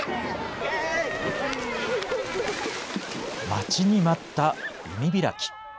待ちに待った海開き。